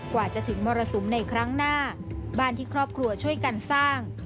กว่าจะถึงมรสุมในครั้งหน้าบ้านที่ครอบครัวช่วยกันสร้าง